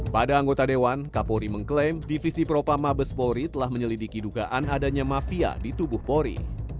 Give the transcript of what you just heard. pada anggota dewan kapolri mengklaim divisi propa mabes polri telah menyelidiki dugaan adanya mafia di tubuh polri